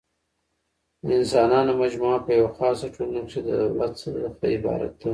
د انسانانو مجموعه په یوه خاصه ټولنه کښي د دولت څخه عبارت ده.